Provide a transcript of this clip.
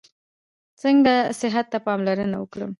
څنګه صحت ته پاملرنه وکړم؟